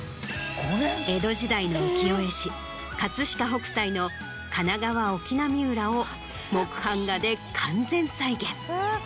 江戸時代の浮世絵師葛飾北斎の『神奈川沖浪裏』を木版画で完全再現。